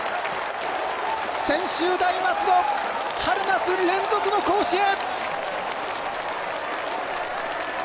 専修大松戸春夏連続の甲子園！